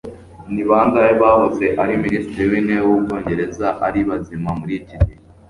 Ni bangahe bahoze ari Minisitiri w’intebe w’Ubwongereza ari bazima muri iki gihe?